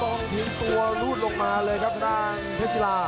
ต้องทิ้งตัวรูดลงมาเลยครับตะด้านเทศีลา